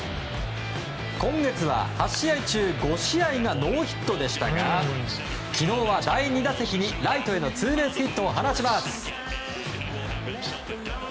今月は８試合中５試合がノーヒットでしたが昨日は第２打席に、ライトへのツーベースヒットを放ちます。